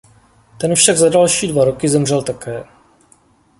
Ten však za další dva roky zemřel také.